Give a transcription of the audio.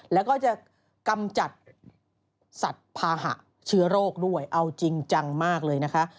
แล้วก็จะกำจัดสัตว์ภาหะเชื้อโรคด้วยเอาจริงจังมากเลยนะคะ